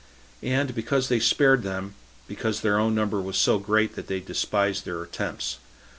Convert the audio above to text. And perhaps they spared them, because their own number was so great that they despised their attempts.